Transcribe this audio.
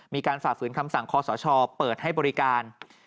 มีการฝ่าฝืนคำสั่งข้อสอชอบเปิดให้บริการ